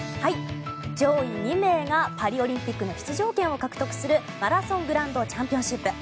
上位２名がパリオリンピックの出場権を獲得するマラソングランドチャンピオンシップ。